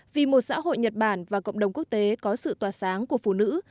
vì một xã hội nhật bản và cộng đồng quốc tế có sự tỏa sáng của phụ nữ